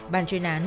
bàn chuyên án